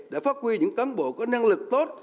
đã phát huy những cán bộ có năng lực tốt